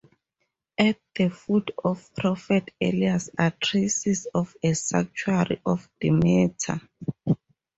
At the foot of Prophet Elias are traces of a sanctuary of Demeter.